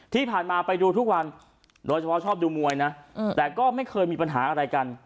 ไปดูทุกวันโดยเฉพาะชอบดูมวยนะแต่ก็ไม่เคยมีปัญหาอะไรกัน